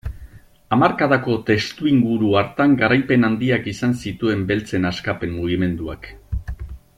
Hamarkadako testuinguru hartan garaipen handiak izan zituen beltzen askapen mugimenduak.